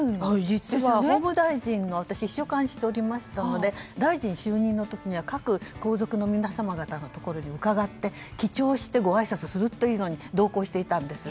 実は、法務大臣の秘書官をしておりましたので大臣就任の時には各皇族の皆様方のところにうかがって記帳をしてご挨拶するというのに同行していたんです。